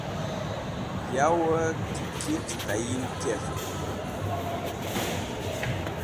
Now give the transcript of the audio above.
Yowey kirkit Tayin Kert